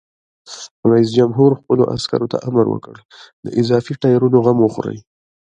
رئیس جمهور خپلو عسکرو ته امر وکړ؛ د اضافي ټایرونو غم وخورئ!